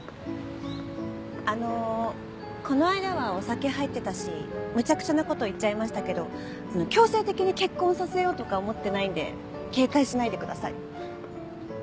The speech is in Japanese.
あのこの間はお酒入ってたしむちゃくちゃなこと言っちゃいましたけど強制的に結婚させようとか思ってないんで警戒しないでください。